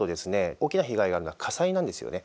大きな被害があるのは火災なんですよね。